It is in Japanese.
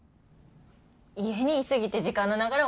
家にい過ぎて時間の流れ